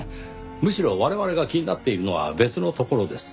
むしろ我々が気になっているのは別のところです。